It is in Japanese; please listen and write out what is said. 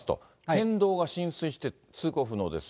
県道が浸水して通行不能です。